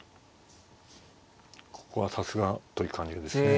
ここはさすがという感じですね。